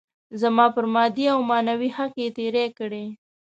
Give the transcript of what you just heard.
زما پر مادي او معنوي حق يې تېری کړی.